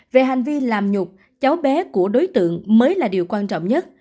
về hành vi làm nhục cháu bé của đối tượng mới là điều quan trọng nhất